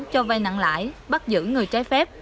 cho vay nặng lại bắt giữ người trái phép